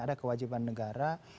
ada kewajiban negara